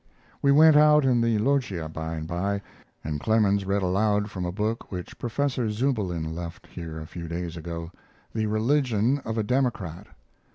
] We went out in the loggia by and by and Clemens read aloud from a book which Professor Zubelin left here a few days ago 'The Religion of a Democrat'.